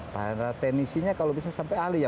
para teknisinya kalau bisa sampai ahli ya